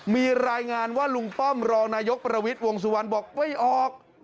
มีรายงานว่าลุงป้อมรองนายกประวิทย์วงสุวรรณบอกไม่ออก